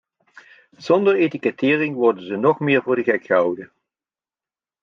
Zonder etikettering worden ze nog meer voor de gek gehouden.